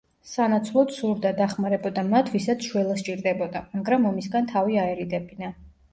სანაცვლოდ სურდა, დახმარებოდა მათ, ვისაც შველა სჭირდებოდა, მაგრამ ომისგან თავი აერიდებინა.